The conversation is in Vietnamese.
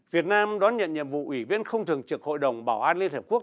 việt nam đón nhận nhiệm vụ ủy viên không thường trực hội đồng bảo an liên hợp quốc